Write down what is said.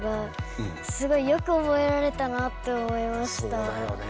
そうだよね。